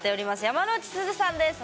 山之内すずさんです。